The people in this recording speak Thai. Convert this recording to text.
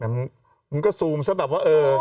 มันก็ซูมซะแบบว่าเออ